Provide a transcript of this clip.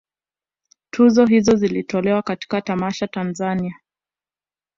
Tuzo hizo zilitolewa katika tamasha Tanzania